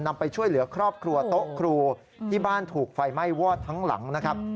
นำไปช่วยเหลือครอบครัวโต๊ะครูที่บ้านถูกไฟไหม้วอดทั้งหลังนะครับ